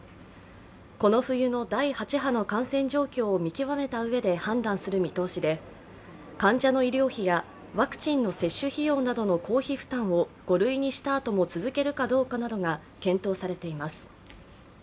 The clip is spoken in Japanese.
この冬の第８波の感染状況を見極めたうえで判断する見通しで患者の医療費やワクチンの接種費用などの公費負担を５類にしたあとも続けるかどうかなどが検討れています。